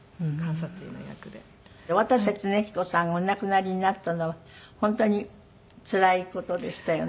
渡瀬恒彦さんがお亡くなりになったのは本当につらい事でしたよね。